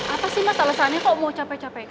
apa sih mas alasannya kalau mau capek capek